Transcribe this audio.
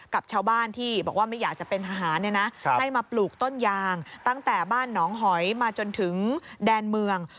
กับชาวบ้านที่บอกว่าไม่อยากจะเป็นทหารให้มาปลูกต้นยางตั้งแต่บ้านหนองหอยมาจนถึงแดนเมือง